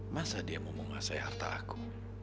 masa dia mau menguasai harta aku